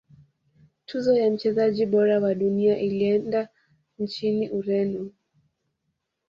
tuzo ya mchezaji bora wa dunia ilienda nchini ureno